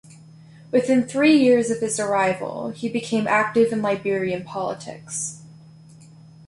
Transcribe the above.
Within three years of his arrival, he became active in Liberian politics.